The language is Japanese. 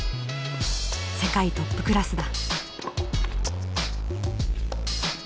世界トップクラスだ。